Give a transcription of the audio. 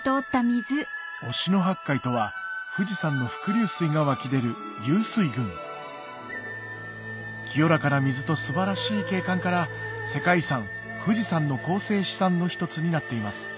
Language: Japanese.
忍野八海とは富士山の伏流水が湧き出る湧水群清らかな水と素晴らしい景観から世界遺産「富士山」の構成資産の一つになっています